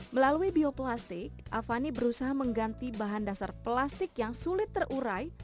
melalui bioplastik avani berusaha mengganti bahan dasar plastik yang sulit terurai